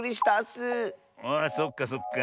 あそっかそっか。